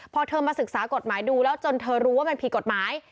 พอเธอมาศึกษากฎหมายดูแล้วจนเธอรู้ว่ามันผิดกฎหมาย